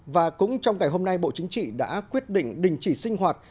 và cũng trong ngày hôm nay bộ chính trị đã quyết định đình chỉ sinh hoạt